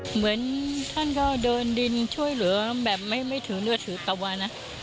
เหมือนท่านก็เดินดินช่วยเหลือแบบไม่ถือเลือดถือตะวัน